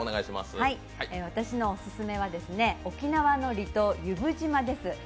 私のオススメは沖縄の離島由布島です。